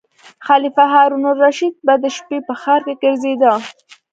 خلیفه هارون الرشید به د شپې په ښار کې ګرځیده.